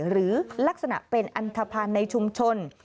หรือลักษณะเป็นอันทภัณฑ์ในชุมชน